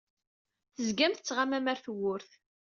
Tezgam tettɣamam ar tewwurt.